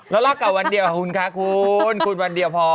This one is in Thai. ละรอกเก่าวันเดียวคุณค่ะคุณคุณวันเดียวพอ